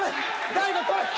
大悟取れ！